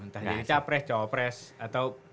entah cowok pres atau